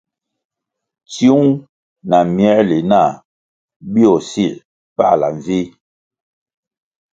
Tsiung na mierli nah bio sier pahla mvih.